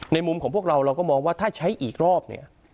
มุมของพวกเราเราก็มองว่าถ้าใช้อีกรอบเนี่ย